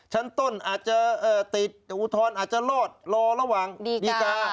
ชั้นต้นอาจจะติดอุทธรณ์อาจจะรอดรอระหว่างดีการ์